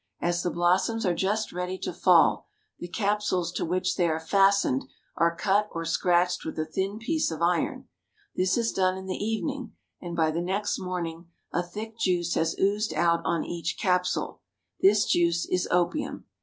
As the blos soms are just ready to fall, the capsules to which they are fastened are cut or scratched with a thin piece of iron. This is done in the evening, and by the next morning a thick juice has oozed out on each capsule. This juice is opium.